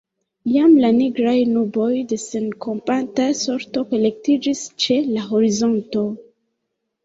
Jam la nigraj nuboj de senkompata sorto kolektiĝis ĉe la horizonto.